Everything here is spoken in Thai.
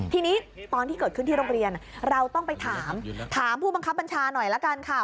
ทีนี้ตอนที่เกิดขึ้นที่โรงเรียนเราต้องไปถามถามผู้บังคับบัญชาหน่อยละกันค่ะ